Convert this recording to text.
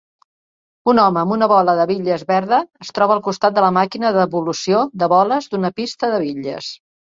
Un home amb una bola de bitlles verda es troba al costat de la màquina de devolució de boles d'una pista de bitlles.